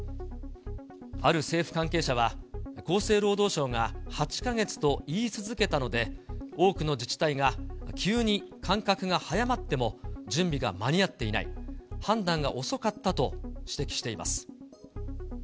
ある政府関係者は、厚生労働省が８か月と言い続けたので、多くの自治体が、急に間隔が早まっても準備が間に合っていない、判断が遅かったと指摘しています。